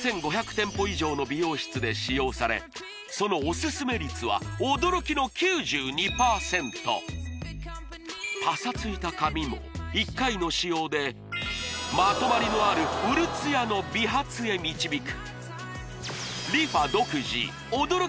店舗以上の美容室で使用されそのオススメ率は驚きの９２％パサついた髪も１回の使用でまとまりのあるうるツヤの美髪へ導く